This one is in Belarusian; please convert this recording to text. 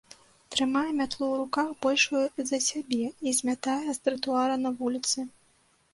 Трымае мятлу ў руках большую за сябе і змятае з тратуара на вуліцы.